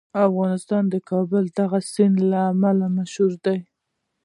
افغانستان د کابل د دغه سیند له امله مشهور دی.